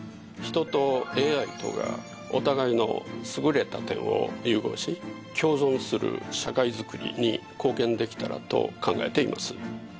人とＡＩとがお互いの優れた点を融合し共存する社会作りに貢献できたらと考えています。